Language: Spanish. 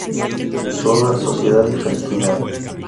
En su obra “Sociedad y Felicidad.